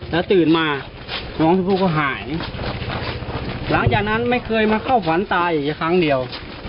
แล้วตื่นมาน้องชมพู่ก็หายหลังจากนั้นไม่เคยมาเข้าฝันตาอีกแค่ครั้งเดียว